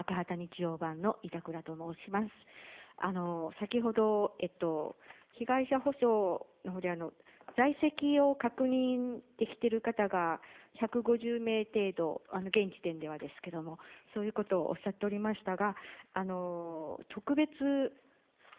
先ほど被害者補償のほうで、在籍を確認できてる方が１５０名程度、現時点ではですけれども、そういうことをおっしゃっておりましたが、特別、